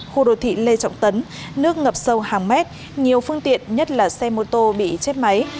khu đô thị lê trọng tấn nước ngập sâu hàng mét nhiều phương tiện nhất là xe mô tô bị chết máy